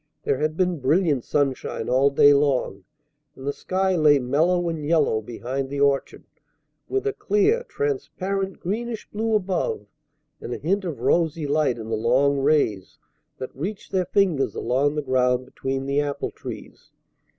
There had been brilliant sunshine all day long, and the sky lay mellow and yellow behind the orchard, with a clear, transparent greenish blue above and a hint of rosy light in the long rays that reached their fingers along the ground between the apple trees.